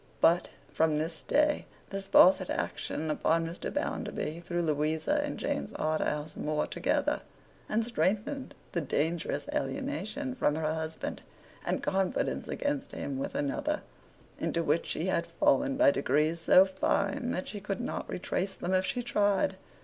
But from this day, the Sparsit action upon Mr. Bounderby threw Louisa and James Harthouse more together, and strengthened the dangerous alienation from her husband and confidence against him with another, into which she had fallen by degrees so fine that she could not retrace them if she tried.